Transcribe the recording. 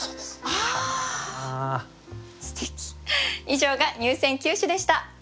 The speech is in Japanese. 以上が入選九首でした。